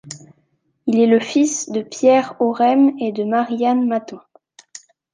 Il est le fils de Pierre Horem et de Marie-Anne Mathon.